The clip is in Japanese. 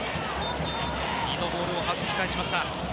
２度ボールをはじき返しました。